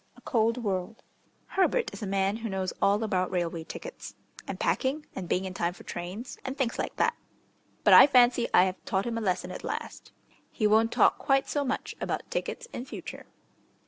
A COLD WORLD Herbert is a man who knows all about railway tickets, and packing, and being in time for trains, and things like that. But I fancy I have taught him a lesson at last. He won't talk quite so much about tickets in future.